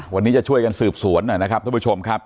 วันนี้จะช่วยกันสืบสวนหน่อยนะครับท่านผู้ชมครับ